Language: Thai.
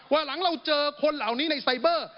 ว่าหลังเราเจอคนเหล่านี้ในไซเบอร์